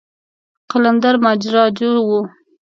قلندر ماجراجو و.